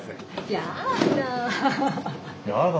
やだ。